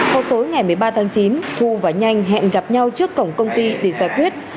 vào tối ngày một mươi ba tháng chín thu và nhanh hẹn gặp nhau trước cổng công ty để giải quyết